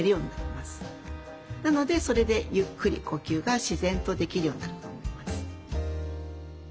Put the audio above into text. なのでそれでゆっくり呼吸が自然とできるようになると思います。